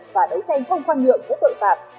và đấu tranh không khoan nhượng với tội phạm